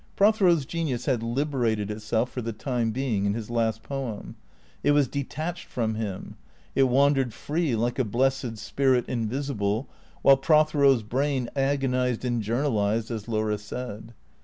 Prothero's genius had liberated itself for the time being in his last poem ; it was detached from him ; it w^andered free, like a blessed spirit invisible, while Prothero's brain agonized and journalized as Laura said.